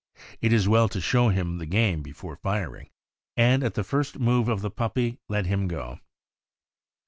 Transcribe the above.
It is well to show him the game before firing, and at the first move of the puppy let him go.